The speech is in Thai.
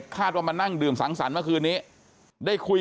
คาดว่ามานั่งดื่มสังสีจันทร์เมื่อคืนนี้